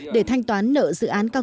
để thanh toán nguồn vốn